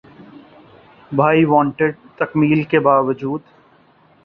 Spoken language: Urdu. ’بھائی وانٹڈ‘ تکمیل کے باوجود